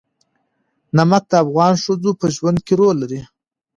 نمک د افغان ښځو په ژوند کې رول لري.